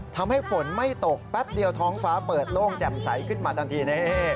ทำให้ฝนไม่ตกแป๊บเดียวท้องฟ้าเปิดโล่งแจ่มใสขึ้นมาทันที